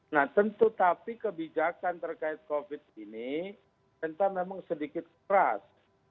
nah tentu tapi kebijakan terkait covid ini kita memang sedikit keras